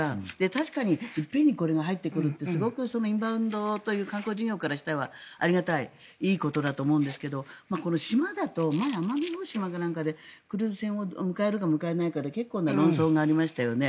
確かに一遍にこれが入ってくるってすごくインバウンド観光事業からしたらありがたいいいことだと思うんですが島だと、前に奄美大島か何かでクルーズ船を迎えるか迎えないかで結構な論争がありましたよね。